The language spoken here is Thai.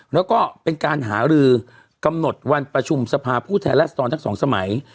แล้วก็เป็นการหารือกำหนดวันประชุมสภาผู้แทนรัศดรทั้งสองสมัย